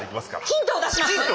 ヒントを出します。